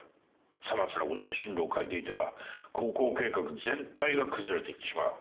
さまつなことで進路を変えていては航行計画全体が崩れていってしまう。